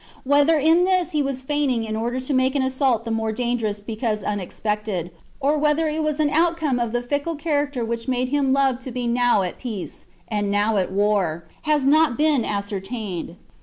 Whether in this he was feigning in order to make an assault the more dangerous because unexpected, or whether it was an outcome of the fickle character which made him love to be now at peace, and now at war, has not been ascertained.